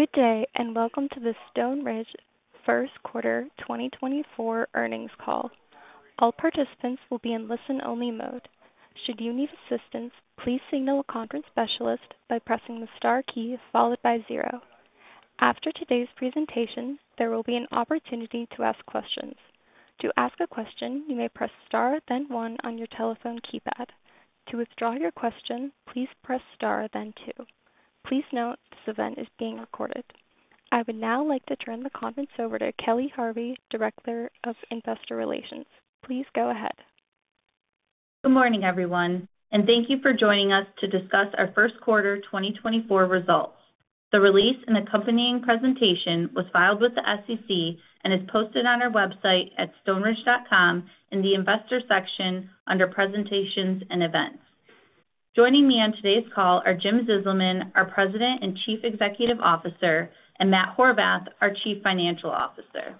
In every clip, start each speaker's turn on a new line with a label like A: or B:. A: Good day and welcome to the Stoneridge Q1 2024 earnings call. All participants will be in listen-only mode. Should you need assistance, please signal a conference specialist by pressing the star key followed by 0. After today's presentation, there will be an opportunity to ask questions. To ask a question, you may press star then 1 on your telephone keypad. To withdraw your question, please press star then 2. Please note this event is being recorded. I would now like to turn the conference over to Kelly Harvey, Director of Investor Relations. Please go ahead.
B: Good morning, everyone, and thank you for joining us to discuss our Q1 2024 results. The release and accompanying presentation was filed with the SEC and is posted on our website at stoneridge.com in the Investor section under Presentations and Events. Joining me on today's call are Jim Zizelman, our President and Chief Executive Officer, and Matt Horvath, our Chief Financial Officer.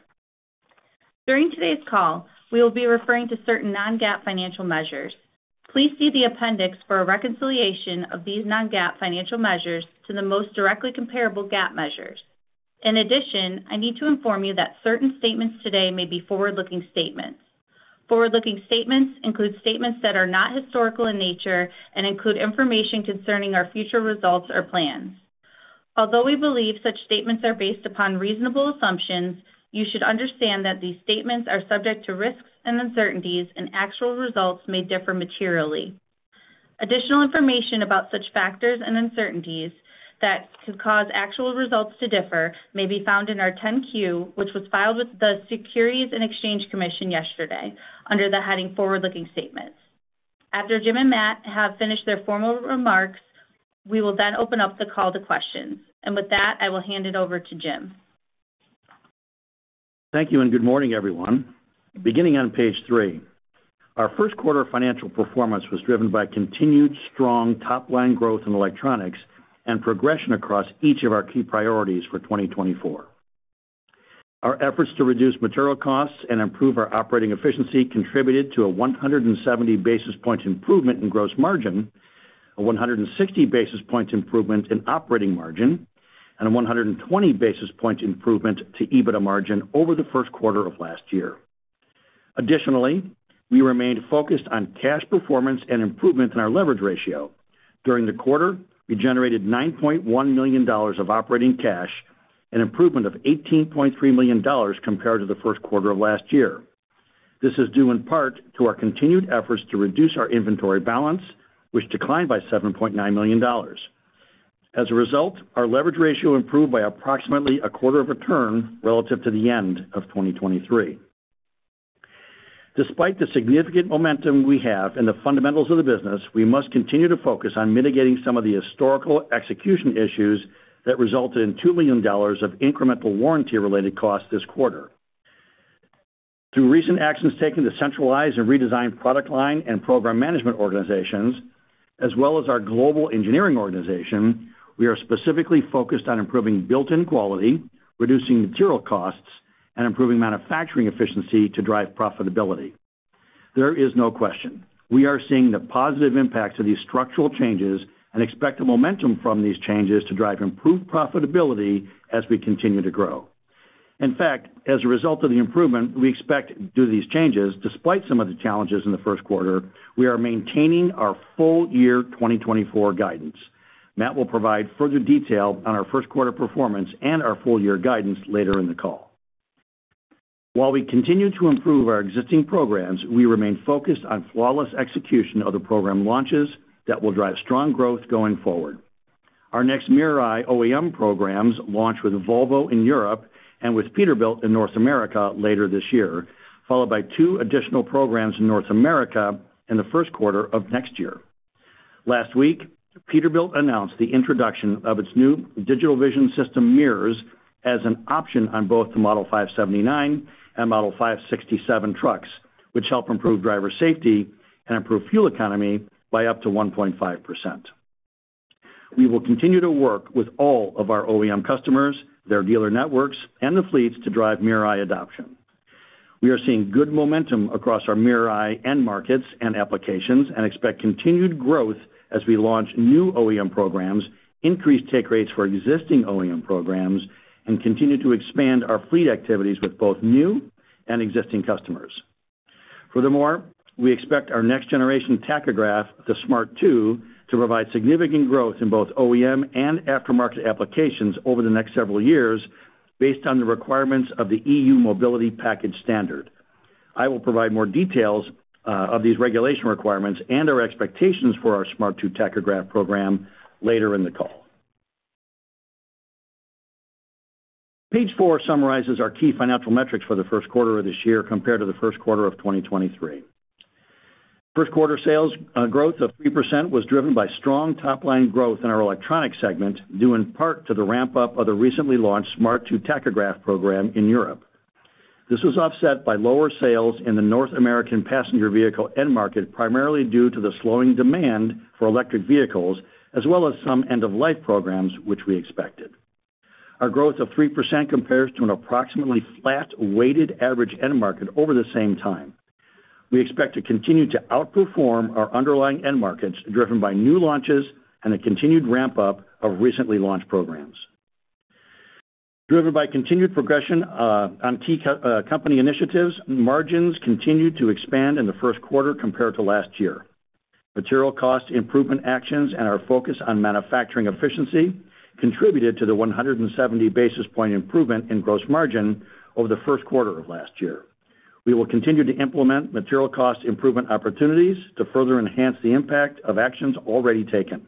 B: During today's call, we will be referring to certain non-GAAP financial measures. Please see the appendix for a reconciliation of these non-GAAP financial measures to the most directly comparable GAAP measures. In addition, I need to inform you that certain statements today may be forward-looking statements. Forward-looking statements include statements that are not historical in nature and include information concerning our future results or plans. Although we believe such statements are based upon reasonable assumptions, you should understand that these statements are subject to risks and uncertainties, and actual results may differ materially. Additional information about such factors and uncertainties that could cause actual results to differ may be found in our 10-Q, which was filed with the Securities and Exchange Commission yesterday under the heading Forward-Looking Statements. After Jim and Matt have finished their formal remarks, we will then open up the call to questions. With that, I will hand it over to Jim.
C: Thank you and good morning, everyone. Beginning on Page 3, our Q1 financial performance was driven by continued strong top-line growth in Electronics and progression across each of our key priorities for 2024. Our efforts to reduce material costs and improve our operating efficiency contributed to a 170 basis points improvement in gross margin, a 160 basis points improvement in operating margin, and a 120 basis points improvement to EBITDA margin over the Q1 of last year. Additionally, we remained focused on cash performance and improvement in our leverage ratio. During the quarter, we generated $9.1 million of operating cash, an improvement of $18.3 million compared to the Q1 of last year. This is due in part to our continued efforts to reduce our inventory balance, which declined by $7.9 million. As a result, our leverage ratio improved by approximately a quarter of a turn relative to the end of 2023. Despite the significant momentum we have in the fundamentals of the business, we must continue to focus on mitigating some of the historical execution issues that resulted in $2 million of incremental warranty-related costs this quarter. Through recent actions taken to centralize and redesign product line and program management organizations, as well as our global engineering organization, we are specifically focused on improving built-in quality, reducing material costs, and improving manufacturing efficiency to drive profitability. There is no question. We are seeing the positive impacts of these structural changes and expect a momentum from these changes to drive improved profitability as we continue to grow. In fact, as a result of the improvement we expect due to these changes, despite some of the challenges in the Q1, we are maintaining our full-year 2024 guidance. Matt will provide further detail on our Q1 performance and our full-year guidance later in the call. While we continue to improve our existing programs, we remain focused on flawless execution of the program launches that will drive strong growth going forward. Our next MirrorEye OEM programs launch with Volvo in Europe and with Peterbilt in North America later this year, followed by two additional programs in North America in the Q1 of next year. Last week, Peterbilt announced the introduction of its new Digital Vision System mirrors as an option on both the Model 579 and Model 567 trucks, which help improve driver safety and improve fuel economy by up to 1.5%. We will continue to work with all of our OEM customers, their dealer networks, and the fleets to drive MirrorEye adoption. We are seeing good momentum across our MirrorEye end markets and applications and expect continued growth as we launch new OEM programs, increase take rates for existing OEM programs, and continue to expand our fleet activities with both new and existing customers. Furthermore, we expect our next-generation tachograph, the Smart 2, to provide significant growth in both OEM and aftermarket applications over the next several years based on the requirements of the EU Mobility Package Standard. I will provide more details of these regulation requirements and our expectations for our Smart 2 tachograph program later in the call. Page 4 summarizes our key financial metrics for the Q1 of this year compared to the Q1 of 2023. First quarter sales growth of 3% was driven by strong top-line growth in our electronics segment due in part to the ramp-up of the recently launched Smart 2 tachograph program in Europe. This was offset by lower sales in the North American passenger vehicle end market primarily due to the slowing demand for electric vehicles, as well as some end-of-life programs, which we expected. Our growth of 3% compares to an approximately flat weighted average end market over the same time. We expect to continue to outperform our underlying end markets driven by new launches and a continued ramp-up of recently launched programs. Driven by continued progression on key company initiatives, margins continued to expand in the Q1 compared to last year. Material cost improvement actions and our focus on manufacturing efficiency contributed to the 170 basis point improvement in gross margin over the Q1 of last year. We will continue to implement material cost improvement opportunities to further enhance the impact of actions already taken.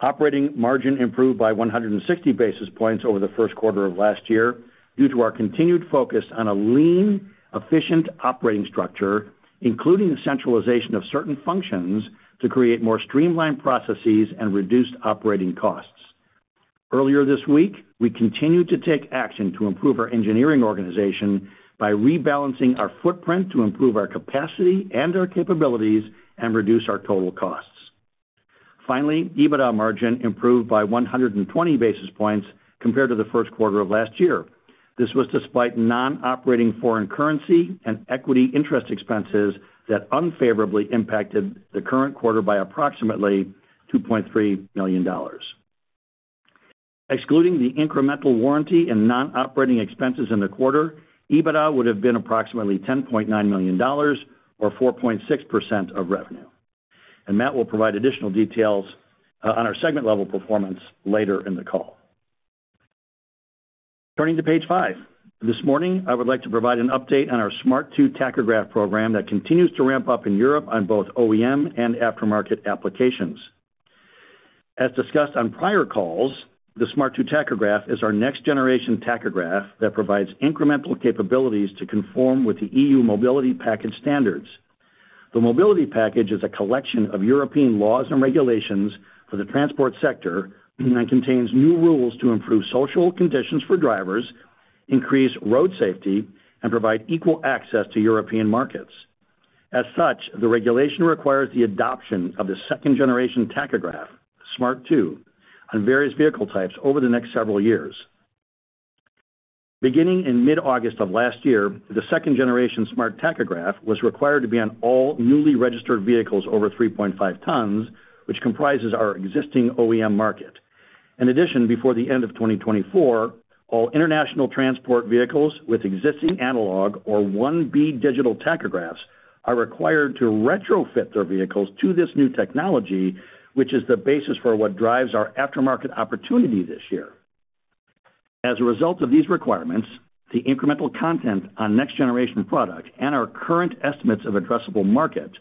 C: Operating margin improved by 160 basis points over the Q1 of last year due to our continued focus on a lean, efficient operating structure, including the centralization of certain functions to create more streamlined processes and reduced operating costs. Earlier this week, we continued to take action to improve our engineering organization by rebalancing our footprint to improve our capacity and our capabilities and reduce our total costs. Finally, EBITDA margin improved by 120 basis points compared to the Q1 of last year. This was despite non-operating foreign currency and equity interest expenses that unfavorably impacted the current quarter by approximately $2.3 million. Excluding the incremental warranty and non-operating expenses in the quarter, EBITDA would have been approximately $10.9 million or 4.6% of revenue. Matt will provide additional details on our segment-level performance later in the call. Turning to Page 5. This morning, I would like to provide an update on our Smart 2 tachograph program that continues to ramp up in Europe on both OEM and aftermarket applications. As discussed on prior calls, the Smart 2 tachograph is our next-generation tachograph that provides incremental capabilities to conform with the EU Mobility Package Standards. The Mobility Package is a collection of European laws and regulations for the transport sector and contains new rules to improve social conditions for drivers, increase road safety, and provide equal access to European markets. As such, the regulation requires the adoption of the second-generation tachograph, Smart 2, on various vehicle types over the next several years. Beginning in mid-August of last year, the second-generation Smart tachograph was required to be on all newly registered vehicles over 3.5 tons, which comprises our existing OEM market. In addition, before the end of 2024, all international transport vehicles with existing analog or 1B digital tachographs are required to retrofit their vehicles to this new technology, which is the basis for what drives our aftermarket opportunity this year. As a result of these requirements, the incremental content on next-generation product and our current estimates of addressable market,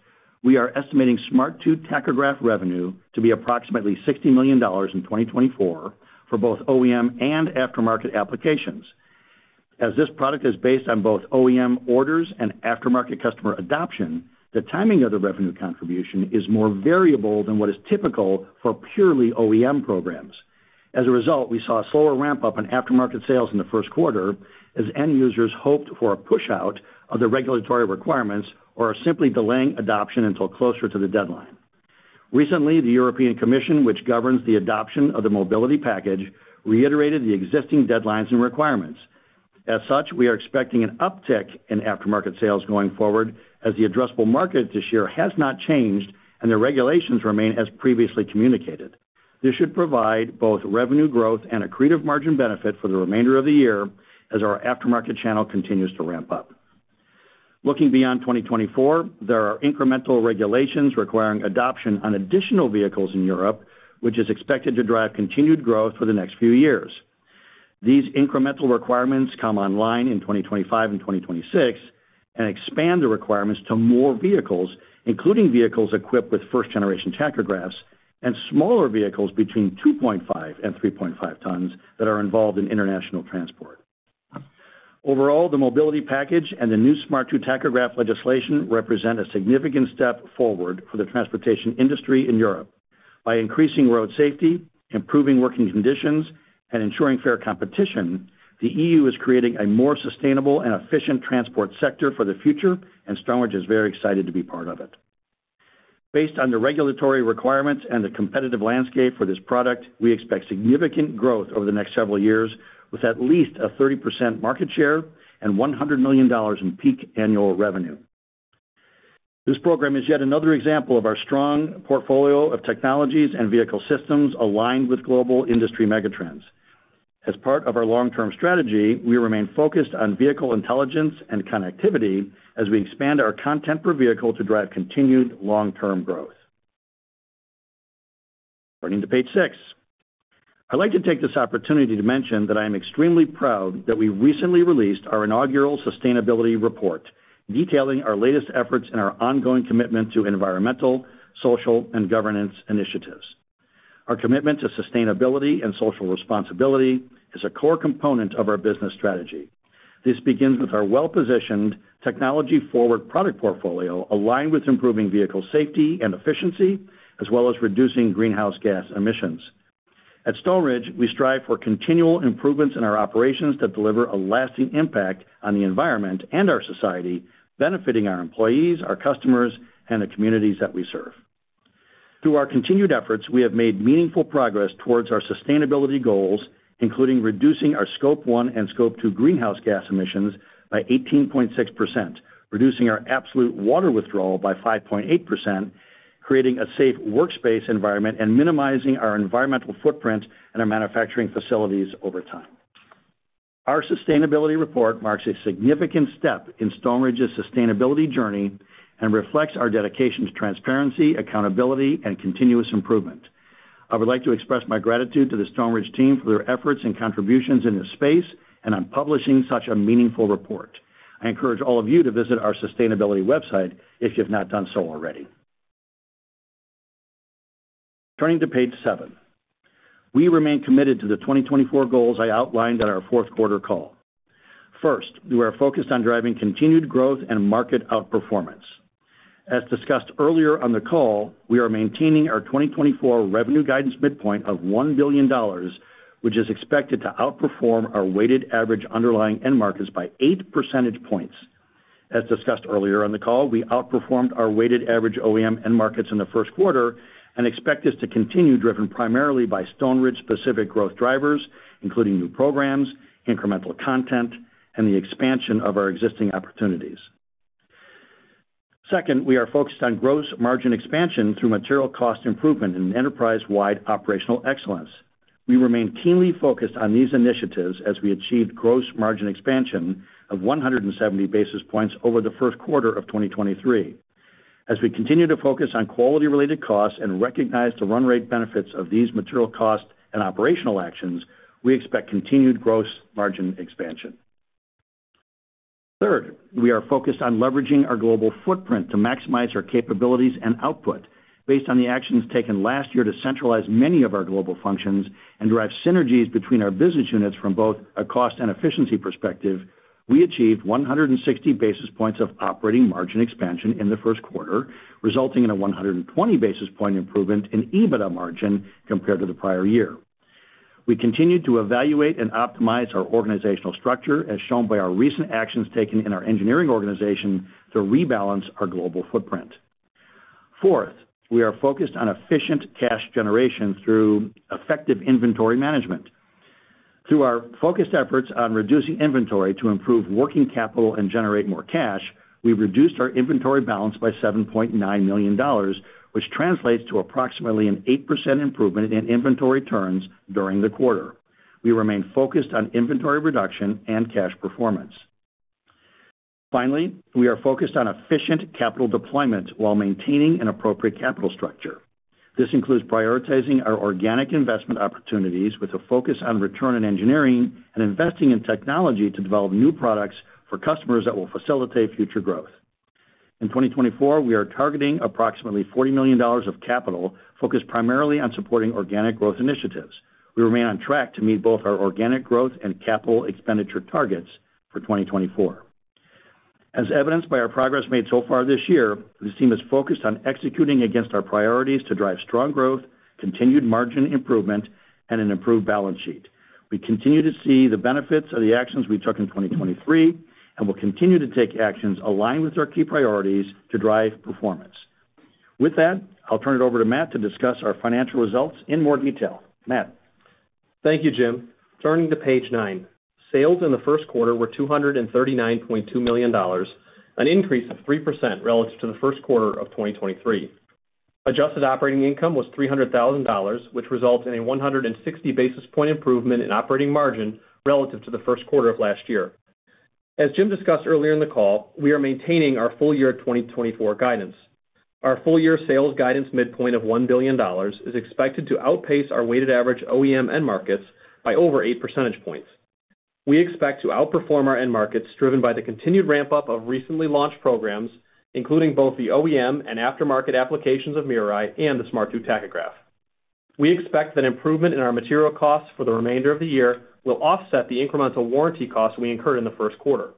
C: we are estimating Smart 2 tachograph revenue to be approximately $60 million in 2024 for both OEM and aftermarket applications. As this product is based on both OEM orders and aftermarket customer adoption, the timing of the revenue contribution is more variable than what is typical for purely OEM programs. As a result, we saw a slower ramp-up in aftermarket sales in the Q1 as end users hoped for a push-out of the regulatory requirements or are simply delaying adoption until closer to the deadline. Recently, the European Commission, which governs the adoption of the Mobility Package, reiterated the existing deadlines and requirements. As such, we are expecting an uptick in aftermarket sales going forward as the addressable market this year has not changed and the regulations remain as previously communicated. This should provide both revenue growth and an incremental margin benefit for the remainder of the year as our aftermarket channel continues to ramp up. Looking beyond 2024, there are incremental regulations requiring adoption on additional vehicles in Europe, which is expected to drive continued growth for the next few years. These incremental requirements come online in 2025 and 2026 and expand the requirements to more vehicles, including vehicles equipped with first-generation tachographs and smaller vehicles between 2.5-3.5 tons that are involved in international transport. Overall, the Mobility Package and the new Smart 2 tachograph legislation represent a significant step forward for the transportation industry in Europe. By increasing road safety, improving working conditions, and ensuring fair competition, the EU is creating a more sustainable and efficient transport sector for the future, and Stoneridge is very excited to be part of it. Based on the regulatory requirements and the competitive landscape for this product, we expect significant growth over the next several years with at least a 30% market share and $100 million in peak annual revenue. This program is yet another example of our strong portfolio of technologies and vehicle systems aligned with global industry megatrends. As part of our long-term strategy, we remain focused on vehicle intelligence and connectivity as we expand our content per vehicle to drive continued long-term growth. Turning to Page 6. I'd like to take this opportunity to mention that I am extremely proud that we recently released our inaugural sustainability report detailing our latest efforts and our ongoing commitment to environmental, social, and governance initiatives. Our commitment to sustainability and social responsibility is a core component of our business strategy. This begins with our well-positioned technology-forward product portfolio aligned with improving vehicle safety and efficiency, as well as reducing greenhouse gas emissions. At Stoneridge, we strive for continual improvements in our operations that deliver a lasting impact on the environment and our society, benefiting our employees, our customers, and the communities that we serve. Through our continued efforts, we have made meaningful progress towards our sustainability goals, including reducing our Scope 1 and Scope 2 greenhouse gas emissions by 18.6%, reducing our absolute water withdrawal by 5.8%, creating a safe workspace environment, and minimizing our environmental footprint and our manufacturing facilities over time. Our sustainability report marks a significant step in Stoneridge's sustainability journey and reflects our dedication to transparency, accountability, and continuous improvement. I would like to express my gratitude to the Stoneridge team for their efforts and contributions in this space and on publishing such a meaningful report. I encourage all of you to visit our sustainability website if you have not done so already. Turning to Page 7. We remain committed to the 2024 goals I outlined on our Q4 call. First, we are focused on driving continued growth and market outperformance. As discussed earlier on the call, we are maintaining our 2024 revenue guidance midpoint of $1 billion, which is expected to outperform our weighted average underlying end markets by 8 percentage points. As discussed earlier on the call, we outperformed our weighted average OEM end markets in the Q1 and expect this to continue driven primarily by Stoneridge-specific growth drivers, including new programs, incremental content, and the expansion of our existing opportunities. Second, we are focused on gross margin expansion through material cost improvement and enterprise-wide operational excellence. We remain keenly focused on these initiatives as we achieve gross margin expansion of 170 basis points over the Q1 of 2023. As we continue to focus on quality-related costs and recognize the run-rate benefits of these material cost and operational actions, we expect continued gross margin expansion. Third, we are focused on leveraging our global footprint to maximize our capabilities and output. Based on the actions taken last year to centralize many of our global functions and drive synergies between our business units from both a cost and efficiency perspective, we achieved 160 basis points of operating margin expansion in the Q1, resulting in a 120 basis point improvement in EBITDA margin compared to the prior year. We continue to evaluate and optimize our organizational structure as shown by our recent actions taken in our engineering organization to rebalance our global footprint. Fourth, we are focused on efficient cash generation through effective inventory management. Through our focused efforts on reducing inventory to improve working capital and generate more cash, we've reduced our inventory balance by $7.9 million, which translates to approximately an 8% improvement in inventory turns during the quarter. We remain focused on inventory reduction and cash performance. Finally, we are focused on efficient capital deployment while maintaining an appropriate capital structure. This includes prioritizing our organic investment opportunities with a focus on return on engineering and investing in technology to develop new products for customers that will facilitate future growth. In 2024, we are targeting approximately $40 million of capital focused primarily on supporting organic growth initiatives. We remain on track to meet both our organic growth and capital expenditure targets for 2024. As evidenced by our progress made so far this year, the team is focused on executing against our priorities to drive strong growth, continued margin improvement, and an improved balance sheet. We continue to see the benefits of the actions we took in 2023 and will continue to take actions aligned with our key priorities to drive performance. With that, I'll turn it over to Matt to discuss our financial results in more detail. Matt.
D: Thank you, Jim. Turning to Page 9. Sales in the Q1 were $239.2 million, an increase of 3% relative to the Q1 of 2023. Adjusted operating income was $300,000, which results in a 160 basis point improvement in operating margin relative to the Q1 of last year. As Jim discussed earlier in the call, we are maintaining our full year 2024 guidance. Our full year sales guidance midpoint of $1 billion is expected to outpace our weighted average OEM end markets by over 8 percentage points. We expect to outperform our end markets driven by the continued ramp-up of recently launched programs, including both the OEM and aftermarket applications of MirrorEye and the SE5000 Smart 2 tachograph. We expect that improvement in our material costs for the remainder of the year will offset the incremental warranty costs we incurred in the Q1.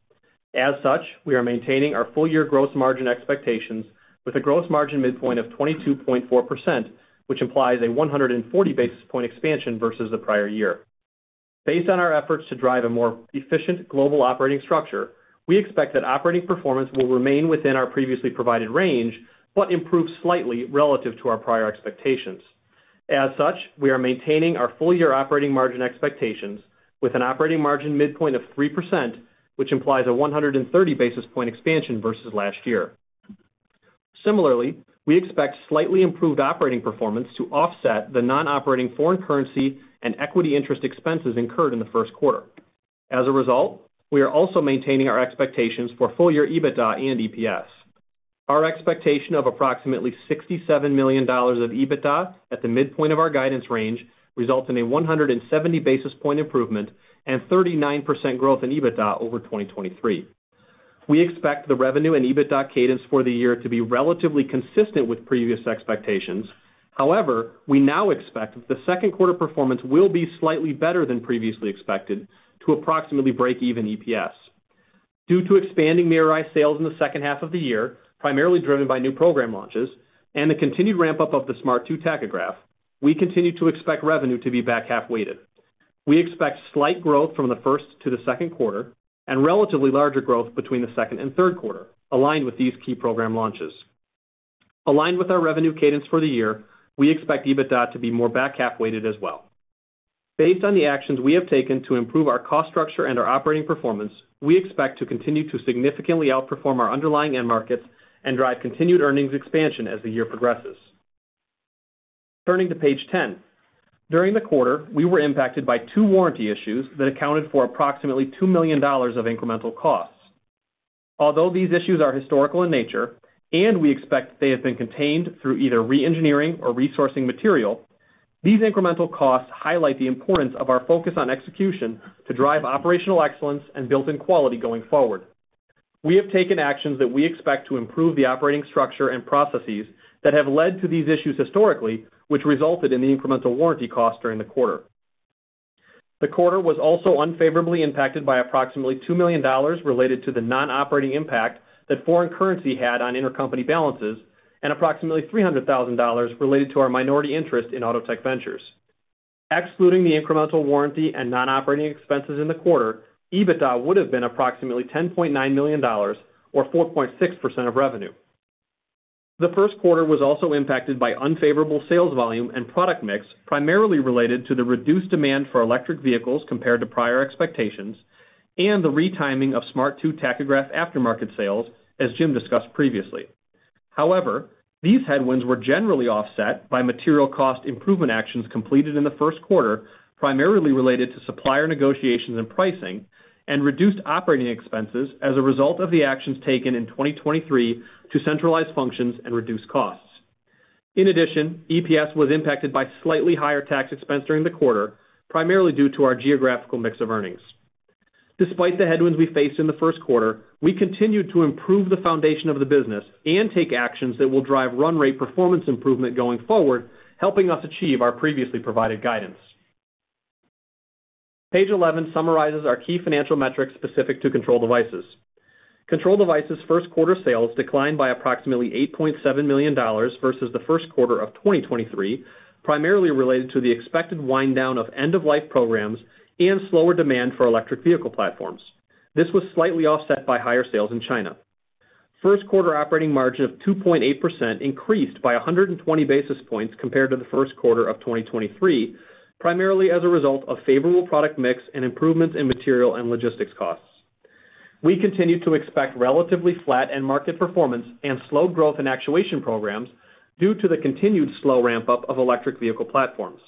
D: As such, we are maintaining our full year gross margin expectations with a gross margin midpoint of 22.4%, which implies a 140 basis point expansion versus the prior year. Based on our efforts to drive a more efficient global operating structure, we expect that operating performance will remain within our previously provided range but improve slightly relative to our prior expectations. As such, we are maintaining our full year operating margin expectations with an operating margin midpoint of 3%, which implies a 130 basis point expansion versus last year. Similarly, we expect slightly improved operating performance to offset the non-operating foreign currency and equity interest expenses incurred in the Q1. As a result, we are also maintaining our expectations for full year EBITDA and EPS. Our expectation of approximately $67 million of EBITDA at the midpoint of our guidance range results in a 170 basis point improvement and 39% growth in EBITDA over 2023. We expect the revenue and EBITDA cadence for the year to be relatively consistent with previous expectations. However, we now expect that the Q2 performance will be slightly better than previously expected to approximately break even EPS. Due to expanding MirrorEye sales in the second half of the year, primarily driven by new program launches, and the continued ramp-up of the Smart 2 tachograph, we continue to expect revenue to be back half-weighted. We expect slight growth from the first to the Q2 and relatively larger growth between the second and third quarter aligned with these key program launches. Aligned with our revenue cadence for the year, we expect EBITDA to be more back half-weighted as well. Based on the actions we have taken to improve our cost structure and our operating performance, we expect to continue to significantly outperform our underlying end markets and drive continued earnings expansion as the year progresses. Turning to Page 10. During the quarter, we were impacted by two warranty issues that accounted for approximately $2 million of incremental costs. Although these issues are historical in nature and we expect that they have been contained through either re-engineering or resourcing material, these incremental costs highlight the importance of our focus on execution to drive operational excellence and built-in quality going forward. We have taken actions that we expect to improve the operating structure and processes that have led to these issues historically, which resulted in the incremental warranty cost during the quarter. The quarter was also unfavorably impacted by approximately $2 million related to the non-operating impact that foreign currency had on intercompany balances and approximately $300,000 related to our minority interest in Autotech Ventures. Excluding the incremental warranty and non-operating expenses in the quarter, EBITDA would have been approximately $10.9 million or 4.6% of revenue. The Q1 was also impacted by unfavorable sales volume and product mix, primarily related to the reduced demand for electric vehicles compared to prior expectations and the retiming of Smart 2 tachograph aftermarket sales, as Jim discussed previously. However, these headwinds were generally offset by material cost improvement actions completed in the Q1, primarily related to supplier negotiations and pricing, and reduced operating expenses as a result of the actions taken in 2023 to centralize functions and reduce costs. In addition, EPS was impacted by slightly higher tax expense during the quarter, primarily due to our geographical mix of earnings. Despite the headwinds we faced in the Q1, we continued to improve the foundation of the business and take actions that will drive run-rate performance improvement going forward, helping us achieve our previously provided guidance. Page 11 summarizes our key financial metrics specific to Control Devices. Control Devices Q1 sales declined by approximately $8.7 million versus the Q1 of 2023, primarily related to the expected wind-down of end-of-life programs and slower demand for electric vehicle platforms. This was slightly offset by higher sales in China. First quarter operating margin of 2.8% increased by 120 basis points compared to the Q1 of 2023, primarily as a result of favorable product mix and improvements in material and logistics costs. We continue to expect relatively flat end market performance and slow growth in actuation programs due to the continued slow ramp-up of electric vehicle platforms.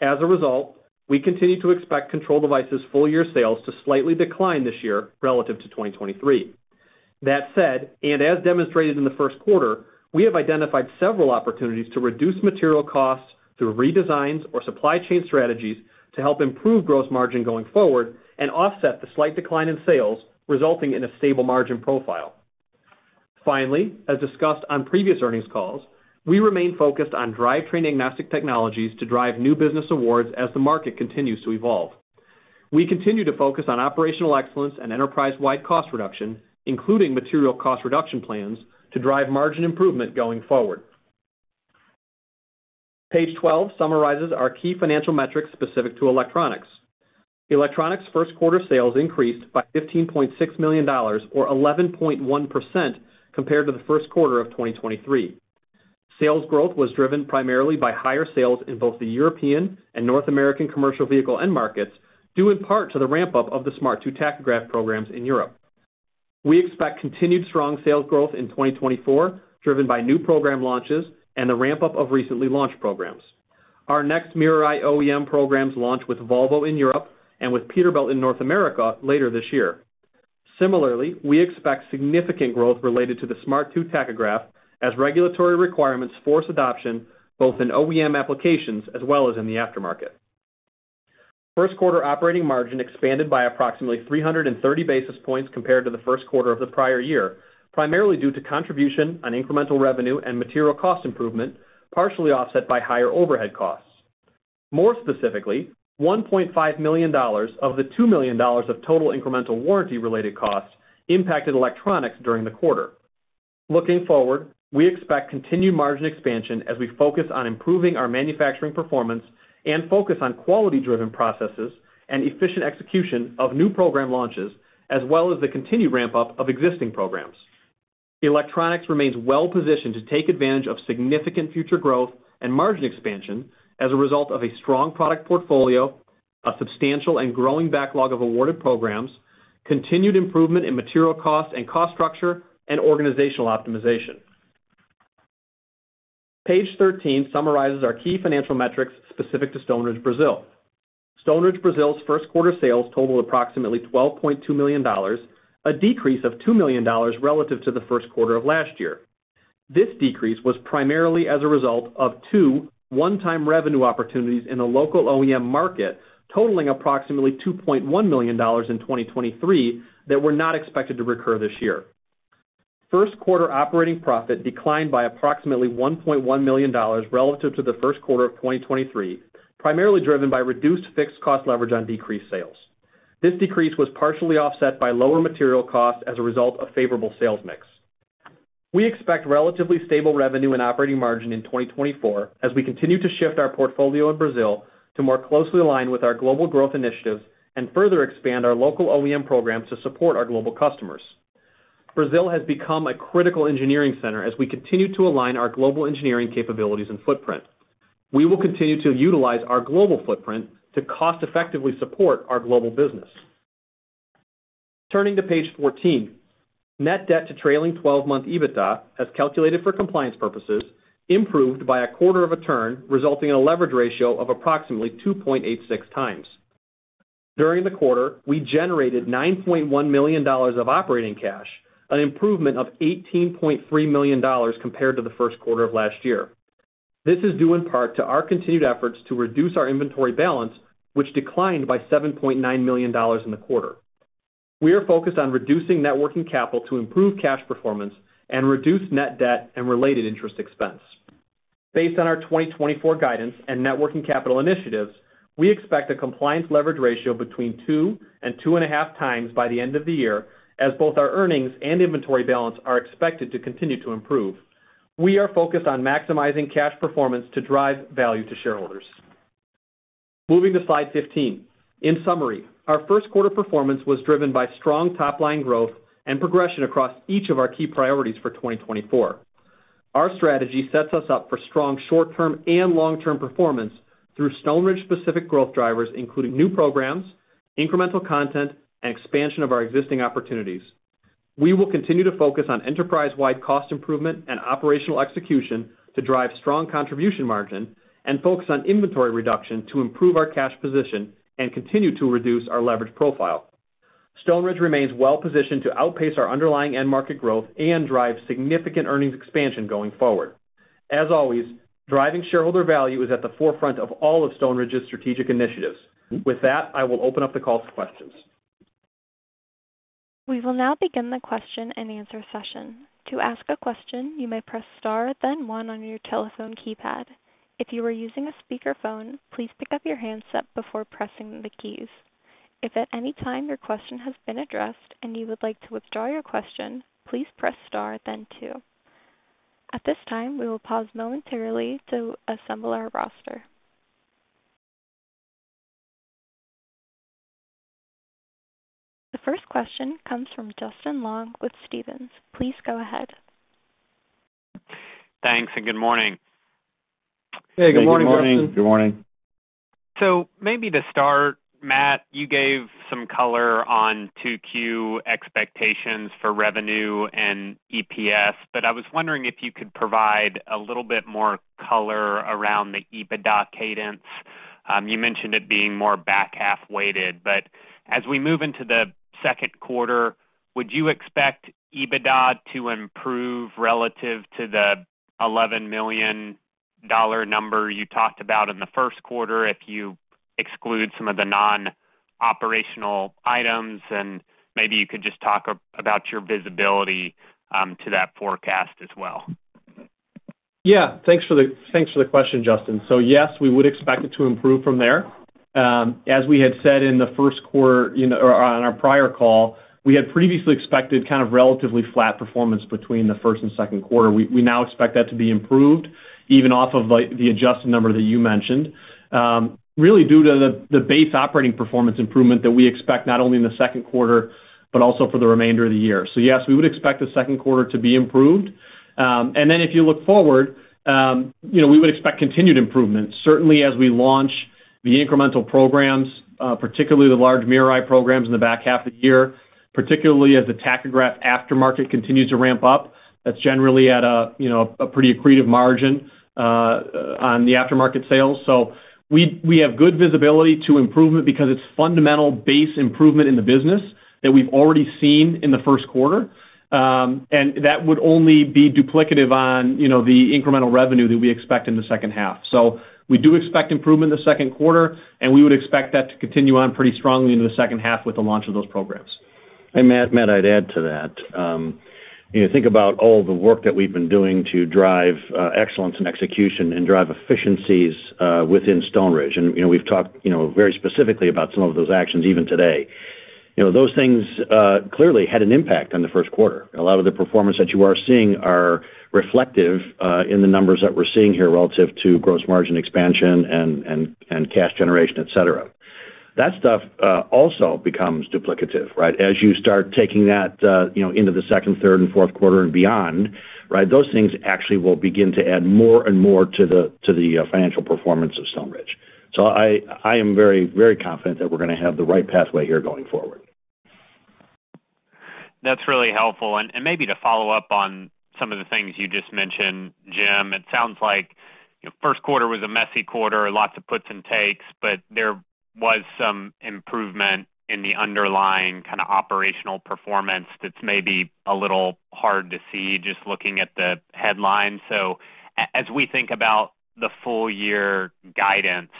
D: As a result, we continue to expect Control Devices full year sales to slightly decline this year relative to 2023. That said, and as demonstrated in the Q1, we have identified several opportunities to reduce material costs through redesigns or supply chain strategies to help improve gross margin going forward and offset the slight decline in sales, resulting in a stable margin profile. Finally, as discussed on previous earnings calls, we remain focused on drivetrain agnostic technologies to drive new business awards as the market continues to evolve. We continue to focus on operational excellence and enterprise-wide cost reduction, including material cost reduction plans, to drive margin improvement going forward. Page 12 summarizes our key financial metrics specific to electronics. Electronics Q1 sales increased by $15.6 million or 11.1% compared to the Q1 of 2023. Sales growth was driven primarily by higher sales in both the European and North American commercial vehicle end markets, due in part to the ramp-up of the Smart 2 tachograph programs in Europe. We expect continued strong sales growth in 2024, driven by new program launches and the ramp-up of recently launched programs. Our next MirrorEye OEM programs launch with Volvo in Europe and with Peterbilt in North America later this year. Similarly, we expect significant growth related to the Smart 2 tachograph as regulatory requirements force adoption both in OEM applications as well as in the aftermarket. First quarter operating margin expanded by approximately 330 basis points compared to the Q1 of the prior year, primarily due to contribution on incremental revenue and material cost improvement, partially offset by higher overhead costs. More specifically, $1.5 million of the $2 million of total incremental warranty-related costs impacted electronics during the quarter. Looking forward, we expect continued margin expansion as we focus on improving our manufacturing performance and focus on quality-driven processes and efficient execution of new program launches, as well as the continued ramp-up of existing programs. Electronics remains well-positioned to take advantage of significant future growth and margin expansion as a result of a strong product portfolio, a substantial and growing backlog of awarded programs, continued improvement in material cost and cost structure, and organizational optimization. Page 13 summarizes our key financial metrics specific to Stoneridge Brazil. Stoneridge Brazil's Q1 sales totaled approximately $12.2 million, a decrease of $2 million relative to the Q1 of last year. This decrease was primarily as a result of two one-time revenue opportunities in the local OEM market totaling approximately $2.1 million in 2023 that were not expected to recur this year. First quarter operating profit declined by approximately $1.1 million relative to the Q1 of 2023, primarily driven by reduced fixed cost leverage on decreased sales. This decrease was partially offset by lower material costs as a result of favorable sales mix. We expect relatively stable revenue and operating margin in 2024 as we continue to shift our portfolio in Brazil to more closely align with our global growth initiatives and further expand our local OEM programs to support our global customers. Brazil has become a critical engineering center as we continue to align our global engineering capabilities and footprint. We will continue to utilize our global footprint to cost-effectively support our global business. Turning to Page 14. Net debt to trailing 12-month EBITDA, as calculated for compliance purposes, improved by a quarter of a turn, resulting in a leverage ratio of approximately 2.86x. During the quarter, we generated $9.1 million of operating cash, an improvement of $18.3 million compared to the Q1 of last year. This is due in part to our continued efforts to reduce our inventory balance, which declined by $7.9 million in the quarter. We are focused on reducing working capital to improve cash performance and reduce net debt and related interest expense. Based on our 2024 guidance and net working capital initiatives, we expect a compliance leverage ratio between 2 and 2.5 times by the end of the year as both our earnings and inventory balance are expected to continue to improve. We are focused on maximizing cash performance to drive value to shareholders. Moving to Slide 15. In summary, our Q1 performance was driven by strong top-line growth and progression across each of our key priorities for 2024. Our strategy sets us up for strong short-term and long-term performance through Stoneridge-specific growth drivers, including new programs, incremental content, and expansion of our existing opportunities. We will continue to focus on enterprise-wide cost improvement and operational execution to drive strong contribution margin and focus on inventory reduction to improve our cash position and continue to reduce our leverage profile. Stoneridge remains well-positioned to outpace our underlying end market growth and drive significant earnings expansion going forward. As always, driving shareholder value is at the forefront of all of Stoneridge's strategic initiatives. With that, I will open up the call for questions.
A: We will now begin the question and answer session. To ask a question, you may press star, then 1 on your telephone keypad. If you are using a speakerphone, please pick up your handset before pressing the keys. If at any time your question has been addressed and you would like to withdraw your question, please press star, then 2. At this time, we will pause momentarily to assemble our roster. The first question comes from Justin Long with Stephens. Please go ahead.
E: Thanks and good morning.
C: Hey, good morning, Justin.
D: Hey, good morning.
C: Good morning.
E: So maybe to start, Matt, you gave some color on 2Q expectations for revenue and EPS, but I was wondering if you could provide a little bit more color around the EBITDA cadence. You mentioned it being more back half-weighted, but as we move into the Q2, would you expect EBITDA to improve relative to the $11 million number you talked about in the Q1 if you exclude some of the non-operational items? And maybe you could just talk about your visibility to that forecast as well.
D: Yeah. Thanks for the question, Justin. So yes, we would expect it to improve from there. As we had said in the Q1 or on our prior call, we had previously expected kind of relatively flat performance between the first and Q2. We now expect that to be improved, even off of the adjusted number that you mentioned, really due to the base operating performance improvement that we expect not only in the Q2 but also for the remainder of the year. So yes, we would expect the Q2 to be improved. And then if you look forward, we would expect continued improvements, certainly as we launch the incremental programs, particularly the large MirrorEye programs in the back half of the year, particularly as the tachograph aftermarket continues to ramp up. That's generally at a pretty accretive margin on the aftermarket sales. So we have good visibility to improvement because it's fundamental base improvement in the business that we've already seen in the Q1. And that would only be duplicative on the incremental revenue that we expect in the second half. So we do expect improvement in the Q2, and we would expect that to continue on pretty strongly into the second half with the launch of those programs.
C: Matt, I'd add to that. Think about all the work that we've been doing to drive excellence and execution and drive efficiencies within Stoneridge. We've talked very specifically about some of those actions even today. Those things clearly had an impact on the Q1. A lot of the performance that you are seeing are reflective in the numbers that we're seeing here relative to gross margin expansion and cash generation, etc. That stuff also becomes duplicative, right? As you start taking that into the second, third, and Q4 and beyond, right, those things actually will begin to add more and more to the financial performance of Stoneridge. I am very, very confident that we're going to have the right pathway here going forward.
E: That's really helpful. Maybe to follow up on some of the things you just mentioned, Jim, it sounds like Q1 was a messy quarter, lots of puts and takes, but there was some improvement in the underlying kind of operational performance that's maybe a little hard to see just looking at the headlines. As we think about the full-year guidance,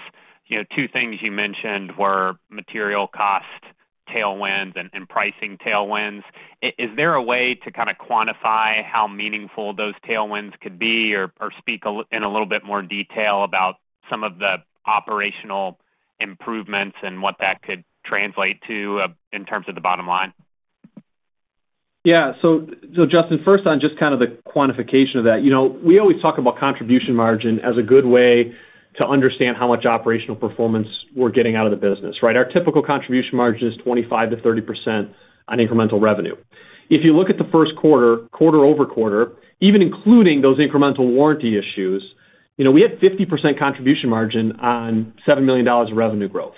E: two things you mentioned were material cost tailwinds and pricing tailwinds. Is there a way to kind of quantify how meaningful those tailwinds could be or speak in a little bit more detail about some of the operational improvements and what that could translate to in terms of the bottom line?
D: Yeah. So Justin, first on just kind of the quantification of that, we always talk about contribution margin as a good way to understand how much operational performance we're getting out of the business, right? Our typical contribution margin is 25%-30% on incremental revenue. If you look at the Q1, quarter-over-quarter, even including those incremental warranty issues, we had 50% contribution margin on $7 million of revenue growth,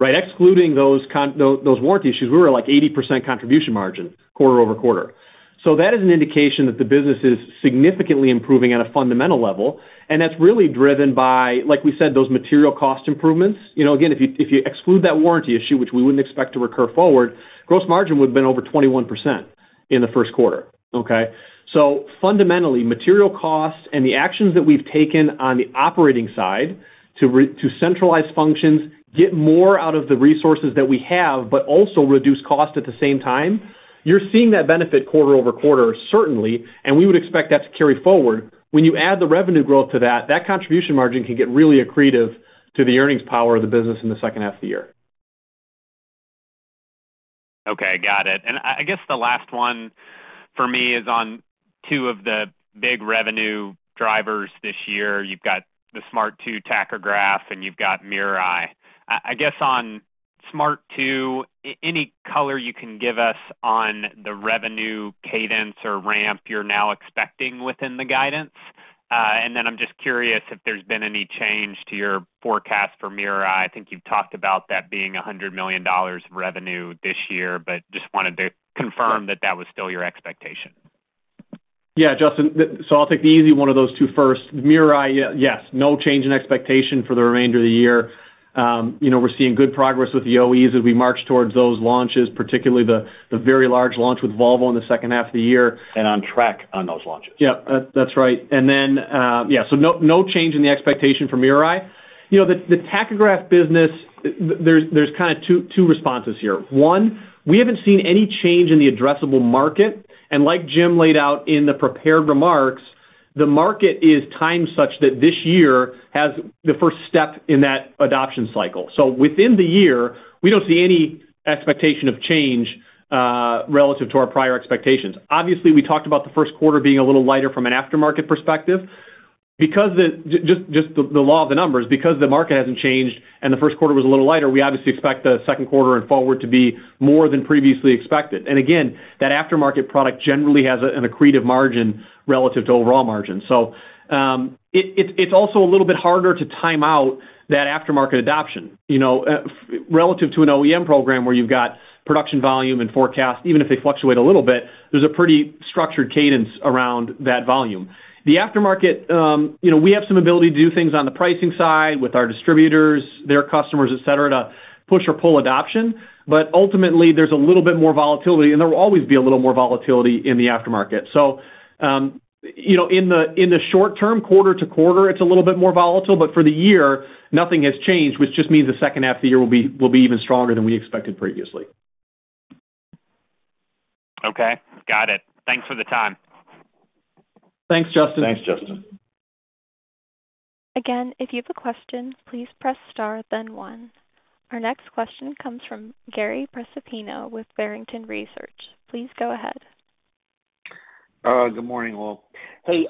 D: right? Excluding those warranty issues, we were like 80% contribution margin quarter-over-quarter. So that is an indication that the business is significantly improving on a fundamental level, and that's really driven by, like we said, those material cost improvements. Again, if you exclude that warranty issue, which we wouldn't expect to recur forward, gross margin would have been over 21% in the Q1, okay? So fundamentally, material cost and the actions that we've taken on the operating side to centralize functions, get more out of the resources that we have but also reduce cost at the same time, you're seeing that benefit quarter-over-quarter, certainly, and we would expect that to carry forward. When you add the revenue growth to that, that contribution margin can get really accretive to the earnings power of the business in the second half of the year.
E: Okay. Got it. And I guess the last one for me is on two of the big revenue drivers this year. You've got the Smart 2 tachograph, and you've got MirrorEye. I guess on Smart 2, any color you can give us on the revenue cadence or ramp you're now expecting within the guidance. And then I'm just curious if there's been any change to your forecast for MirrorEye. I think you've talked about that being $100 million of revenue this year, but just wanted to confirm that that was still your expectation.
D: Yeah, Justin. So I'll take the easy one of those two first. MirrorEye, yes, no change in expectation for the remainder of the year. We're seeing good progress with the OEs as we march towards those launches, particularly the very large launch with Volvo in the second half of the year.
C: On track on those launches.
D: Yep. That's right. And then, yeah, so no change in the expectation for MirrorEye. The tachograph business, there's kind of two responses here. One, we haven't seen any change in the addressable market. And like Jim laid out in the prepared remarks, the market is timed such that this year has the first step in that adoption cycle. So within the year, we don't see any expectation of change relative to our prior expectations. Obviously, we talked about the Q1 being a little lighter from an aftermarket perspective. Just the law of the numbers, because the market hasn't changed and the Q1 was a little lighter, we obviously expect the Q2 and forward to be more than previously expected. And again, that aftermarket product generally has an accretive margin relative to overall margin. So it's also a little bit harder to time out that aftermarket adoption relative to an OEM program where you've got production volume and forecast, even if they fluctuate a little bit, there's a pretty structured cadence around that volume. The aftermarket, we have some ability to do things on the pricing side with our distributors, their customers, etc., to push or pull adoption. But ultimately, there's a little bit more volatility, and there will always be a little more volatility in the aftermarket. So in the short term, quarter-toquarter, it's a little bit more volatile, but for the year, nothing has changed, which just means the second half of the year will be even stronger than we expected previously.
E: Okay. Got it. Thanks for the time.
D: Thanks, Justin.
C: Thanks, Justin.
A: Again, if you have a question, please press star, then 1. Our next question comes from Gary Prestopino with Barrington Research. Please go ahead.
F: Good morning, all. Hey.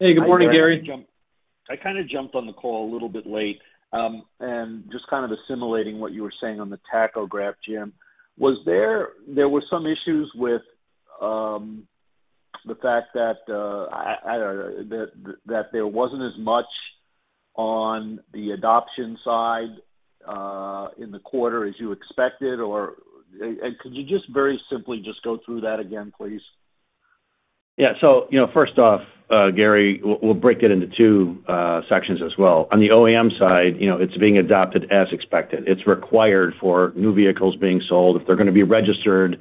C: Hey, good morning, Gary.
F: I kind of jumped on the call a little bit late. Just kind of assimilating what you were saying on the tachograph, Jim, there were some issues with the fact that I don't know, that there wasn't as much on the adoption side in the quarter as you expected, or could you just very simply just go through that again, please?
C: Yeah. So first off, Gary, we'll break it into two sections as well. On the OEM side, it's being adopted as expected. It's required for new vehicles being sold. If they're going to be registered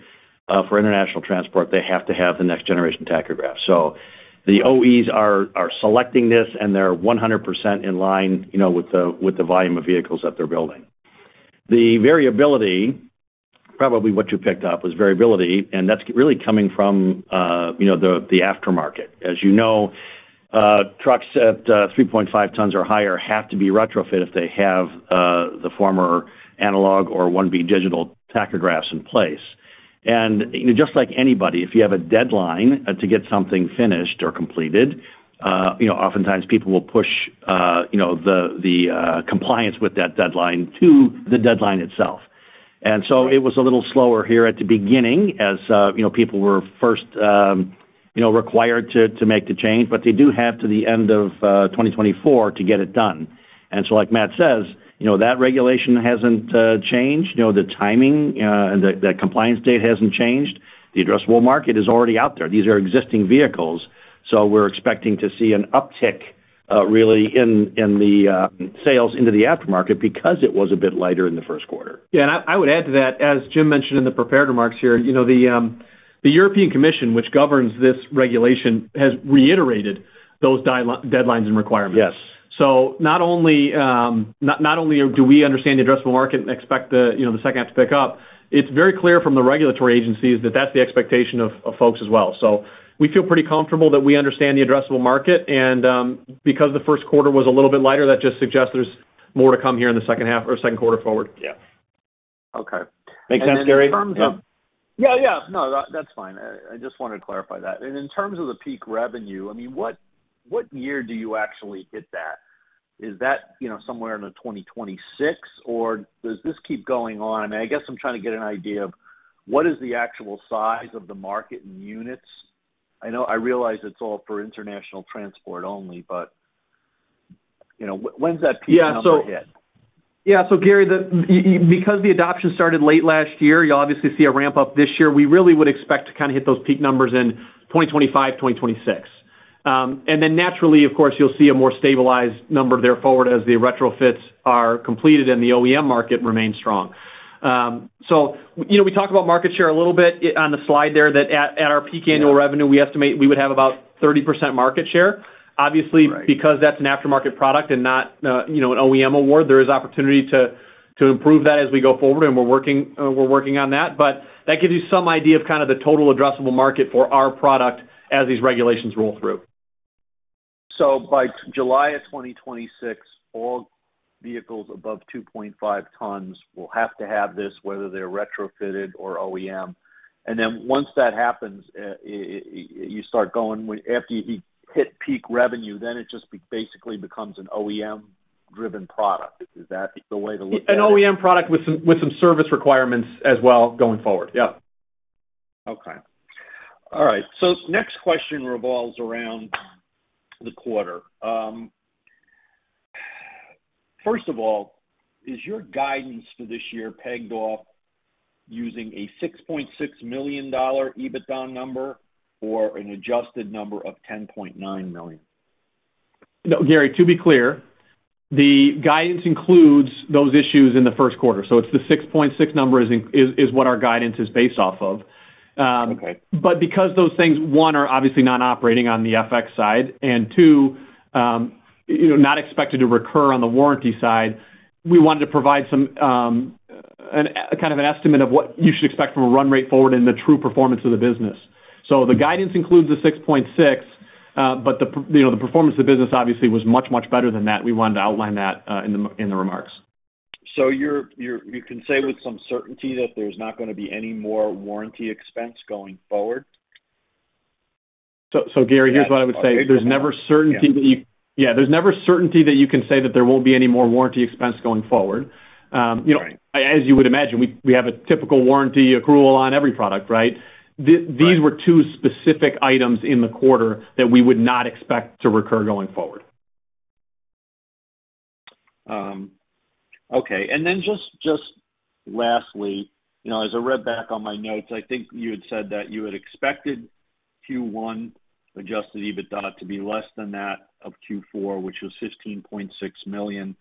C: for international transport, they have to have the next-generation tachograph. So the OEs are selecting this, and they're 100% in line with the volume of vehicles that they're building. The variability, probably what you picked up, was variability, and that's really coming from the aftermarket. As you know, trucks at 3.5 tons or higher have to be retrofit if they have the former analog or 1B digital tachographs in place. And just like anybody, if you have a deadline to get something finished or completed, oftentimes, people will push the compliance with that deadline to the deadline itself. And so it was a little slower here at the beginning as people were first required to make the change, but they do have to the end of 2024 to get it done. And so like Matt says, that regulation hasn't changed. The timing and that compliance date hasn't changed. The addressable market is already out there. These are existing vehicles. So we're expecting to see an uptick, really, in the sales into the aftermarket because it was a bit lighter in the Q1.
D: Yeah. And I would add to that, as Jim mentioned in the prepared remarks here, the European Commission, which governs this regulation, has reiterated those deadlines and requirements. So not only do we understand the addressable market and expect the second half to pick up, it's very clear from the regulatory agencies that that's the expectation of folks as well. So we feel pretty comfortable that we understand the addressable market. And because the Q1 was a little bit lighter, that just suggests there's more to come here in the second half or Q2 forward. Yeah.
F: Okay.
C: Makes sense, Gary?
F: Yeah, yeah. No, that's fine. I just wanted to clarify that. And in terms of the peak revenue, I mean, what year do you actually hit that? Is that somewhere in 2026, or does this keep going on? I mean, I guess I'm trying to get an idea of what is the actual size of the market in units? I realize it's all for international transport only, but when's that peak number hit?
D: Yeah. So Gary, because the adoption started late last year, you obviously see a ramp-up this year, we really would expect to kind of hit those peak numbers in 2025, 2026. And then naturally, of course, you'll see a more stabilized number thereafter as the retrofits are completed and the OEM market remains strong. So we talked about market share a little bit on the slide there that at our peak annual revenue, we estimate we would have about 30% market share. Obviously, because that's an aftermarket product and not an OEM award, there is opportunity to improve that as we go forward, and we're working on that. But that gives you some idea of kind of the total addressable market for our product as these regulations roll through.
F: By July of 2026, all vehicles above 2.5 tons will have to have this, whether they're retrofitted or OEM. Then once that happens, you start going after you hit peak revenue, then it just basically becomes an OEM-driven product. Is that the way to look at it?
D: An OEM product with some service requirements as well going forward. Yep.
F: Okay. All right. So next question revolves around the quarter. First of all, is your guidance for this year pegged off using a $6.6 million EBITDA number or an adjusted number of $10.9 million?
D: No, Gary, to be clear, the guidance includes those issues in the Q1. So it's the 6.6 number is what our guidance is based off of. But because those things, one, are obviously non-operating on the FX side, and two, not expected to recur on the warranty side, we wanted to provide kind of an estimate of what you should expect from a run rate forward and the true performance of the business. So the guidance includes the 6.6, but the performance of the business obviously was much, much better than that. We wanted to outline that in the remarks.
F: So you can say with some certainty that there's not going to be any more warranty expense going forward?
C: So Gary, here's what I would say. There's never certainty that you can say that there won't be any more warranty expense going forward. As you would imagine, we have a typical warranty accrual on every product, right? These were two specific items in the quarter that we would not expect to recur going forward.
F: Okay. And then just lastly, as I read back on my notes, I think you had said that you had expected Q1 adjusted EBITDA to be less than that of Q4, which was $15.6 million.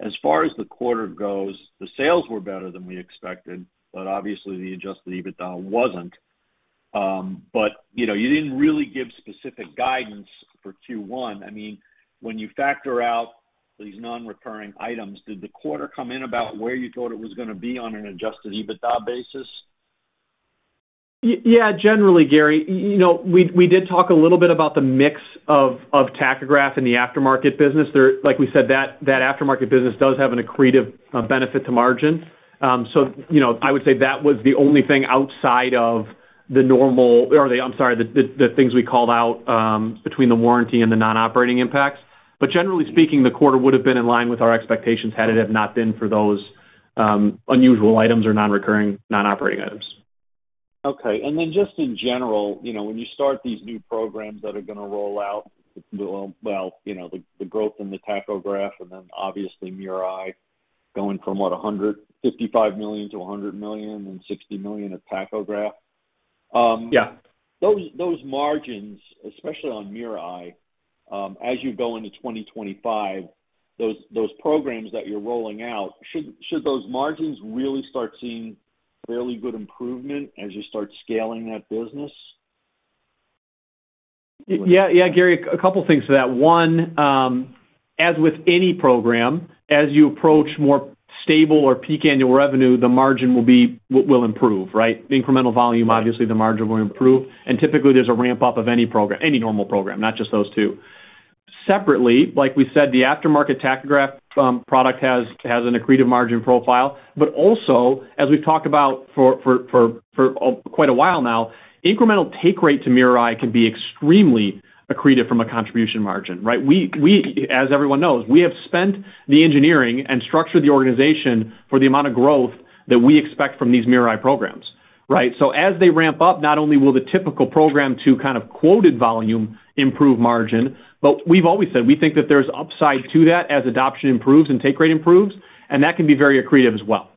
F: As far as the quarter goes, the sales were better than we expected, but obviously, the adjusted EBITDA wasn't. But you didn't really give specific guidance for Q1. I mean, when you factor out these non-recurring items, did the quarter come in about where you thought it was going to be on an adjusted EBITDA basis?
D: Yeah, generally, Gary, we did talk a little bit about the mix of tachograph and the aftermarket business. Like we said, that aftermarket business does have an accretive benefit to margin. So I would say that was the only thing outside of the normal or I'm sorry, the things we called out between the warranty and the non-operating impacts. But generally speaking, the quarter would have been in line with our expectations had it had not been for those unusual items or non-recurring non-operating items.
F: Okay. And then just in general, when you start these new programs that are going to roll out, well, the growth in the tachograph and then obviously MirrorEye going from, what, $155 million to $100 million and $60 million of tachograph, those margins, especially on MirrorEye, as you go into 2025, those programs that you're rolling out, should those margins really start seeing fairly good improvement as you start scaling that business?
D: Yeah, yeah, Gary, a couple of things to that. One, as with any program, as you approach more stable or peak annual revenue, the margin will improve, right? Incremental volume, obviously, the margin will improve. And typically, there's a ramp-up of any normal program, not just those two. Separately, like we said, the aftermarket tachograph product has an accretive margin profile. But also, as we've talked about for quite a while now, incremental take rate to MirrorEye can be extremely accretive from a contribution margin, right? As everyone knows, we have spent the engineering and structure of the organization for the amount of growth that we expect from these MirrorEye programs, right? As they ramp up, not only will the typical program to kind of quoted volume improve margin, but we've always said we think that there's upside to that as adoption improves and take rate improves, and that can be very accretive as well.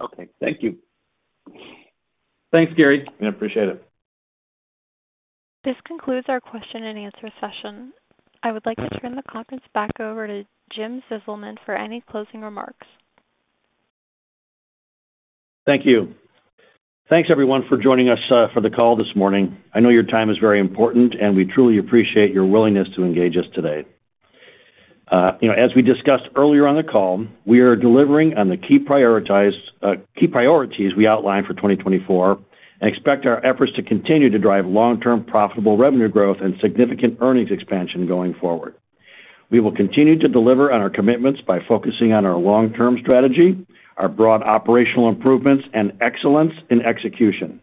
F: Okay. Thank you.
C: Thanks, Gary.
F: Yeah, appreciate it.
A: This concludes our question and answer session. I would like to turn the conference back over to Jim Zizelman for any closing remarks.
C: Thank you. Thanks, everyone, for joining us for the call this morning. I know your time is very important, and we truly appreciate your willingness to engage us today. As we discussed earlier on the call, we are delivering on the key priorities we outlined for 2024 and expect our efforts to continue to drive long-term profitable revenue growth and significant earnings expansion going forward. We will continue to deliver on our commitments by focusing on our long-term strategy, our broad operational improvements, and excellence in execution.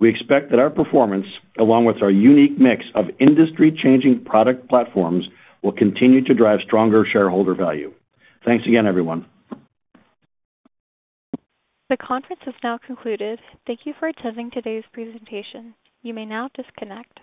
C: We expect that our performance, along with our unique mix of industry-changing product platforms, will continue to drive stronger shareholder value. Thanks again, everyone.
A: The conference has now concluded. Thank you for attending today's presentation. You may now disconnect.